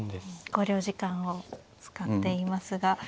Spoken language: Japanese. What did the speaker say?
考慮時間を使っていますが。